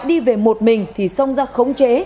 đi về một mình thì xông ra khống chế